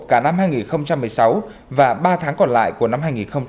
cả năm hai nghìn một mươi sáu và ba tháng còn lại của năm hai nghìn một mươi tám